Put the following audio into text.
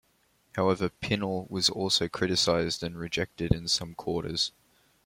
However, Pinel was also criticised and rejected in some quarters.